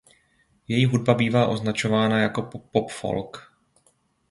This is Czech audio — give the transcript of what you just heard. Její hudba bývá označována jako pop folk.